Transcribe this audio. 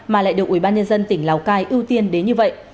mà lại được ủy ban nhân dân tỉnh lào cai ưu tiên đến như vậy